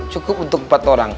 cukup untuk empat orang